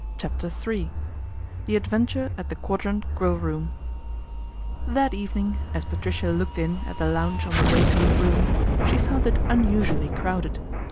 CHAPTER III THE ADVENTURE AT THE QUADRANT GRILL ROOM THAT evening as Patricia looked in at the lounge on the way to her room, she found it unusually crowded.